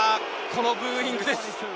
このブーイングです。